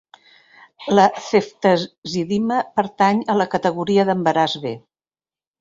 La ceftazidima pertany a la categoria d'embaràs B.